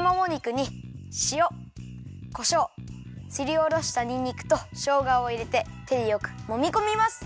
もも肉にしおこしょうすりおろしたにんにくとしょうがをいれててでよくもみこみます。